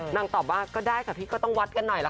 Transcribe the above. ตอบว่าก็ได้ค่ะพี่ก็ต้องวัดกันหน่อยละกัน